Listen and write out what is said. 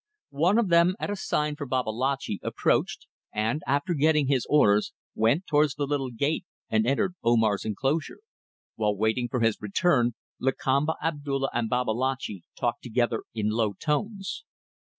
One of them, at a sign from Babalatchi, approached and, after getting his orders, went towards the little gate and entered Omar's enclosure. While waiting for his return, Lakamba, Abdulla, and Babalatchi talked together in low tones.